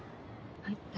はい。